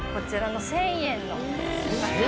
１０００円。